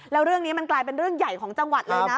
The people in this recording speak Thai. แล้วเรื่องนี้มันกลายเป็นเรื่องใหญ่ของจังหวัดเลยนะ